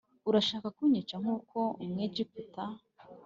Urashaka kunyica nk’ uko umwegiputa